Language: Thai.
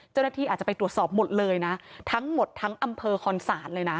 เจ้าหน้าที่อาจจะไปตรวจสอบหมดเลยนะทั้งหมดทั้งอำเภอคอนศาลเลยนะ